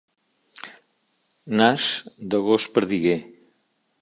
Nas de gos perdiguer.